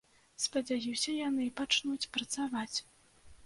Спадзяюся, яны пачнуць працаваць.